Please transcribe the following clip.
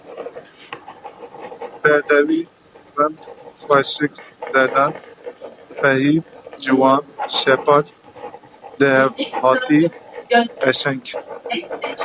Bedewî: rind, xweşik, delal, spehî, ciwan, şepal, lihevhatî, qeşeng.